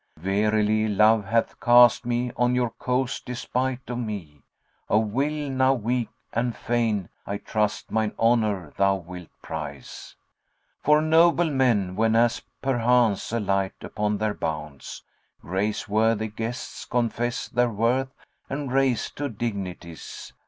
Verily, Love hath cast me on your coast despite of me * Of will now weak, and fain I trust mine honour thou wilt prize: For noble men, whenas perchance alight upon their bounds, * Grace worthy guests, confess their worth and raise to dignities.